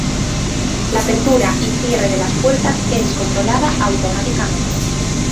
La apertura y cierre de las puertas es controlada automáticamente.